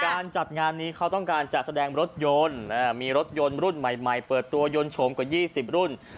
การจัดงานนี้เขาต้องการจัดแสดงรถยนต์มีรถยนต์รุ่นใหม่เปิดตัวยนต์โฉมกว่า๒๐รุ่น